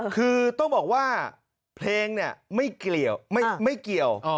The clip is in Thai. คือต้องบอกว่าเพลงเนี่ยไม่เกี่ยว